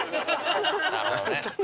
なるほどね。